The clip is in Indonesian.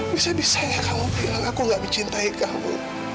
bisa bisanya kamu bilang aku tidak mencintai kamu